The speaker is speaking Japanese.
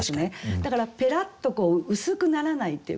だからペラッと薄くならないっていうか